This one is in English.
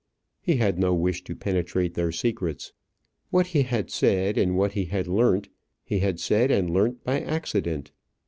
He had no wish to penetrate their secrets. What he had said, and what he had learnt, he had said and learnt by accident.